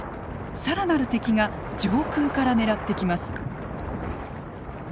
更なる敵が上空から狙ってきます。